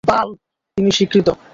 তিনি স্বীকৃত।